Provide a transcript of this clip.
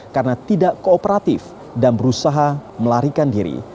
karena tidak kooperatif dan berusaha melarikan diri